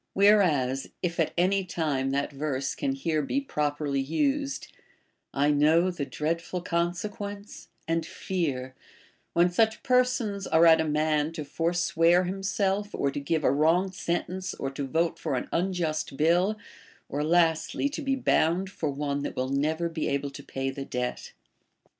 Whereas, if at any time, that verse can here be properly used, — I know tlie dreadful consequence, and fear,* Avhen such persons are at a man to forswear himself, or to give a wrong sentence, or to vote for an unjust bill, or last ly to be bound for one that will never be able to pay the debt'.